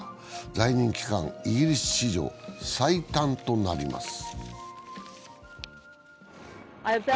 在任期間は、イギリス史上最短となります。